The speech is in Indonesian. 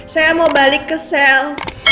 saya mau balik ke sel